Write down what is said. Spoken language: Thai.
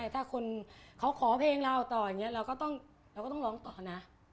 ถ้าคนขอเพลงเราต่อเราก็ต้องร้องต่อนะ